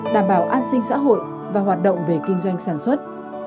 đảm bảo an sinh xã hội và hoạt động về kinh doanh sản xuất